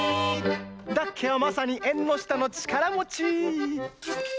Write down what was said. ダッケはまさに「えんのしたのちからもち」！